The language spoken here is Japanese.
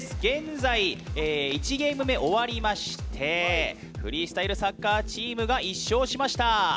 現在、１ゲーム目、終わりましてフリースタイルサッカーチームが１勝しました。